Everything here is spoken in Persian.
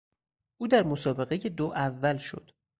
او در مسابقهی دو اول شد.